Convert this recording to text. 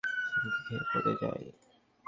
যারীদ ধপাস করে সামনের দিকে হুমড়ি খেয়ে পড়ে যায়।